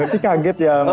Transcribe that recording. berarti kaget ya mas